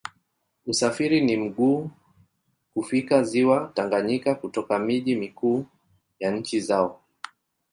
Usafiri ni mgumu kufikia Ziwa Tanganyika kutoka miji mikuu ya nchi zao.